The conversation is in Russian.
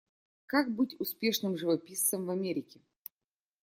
Как быть успешным живописцем в Америке.